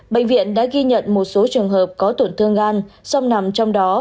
bệnh viện đã ghi nhận một số trường hợp có tổn thương gan song nằm trong đó